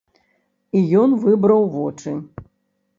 І ён выбраў вочы.